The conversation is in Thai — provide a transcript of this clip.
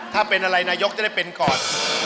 ถ้าเป็นอะไรนายกจะได้เป็นก่อน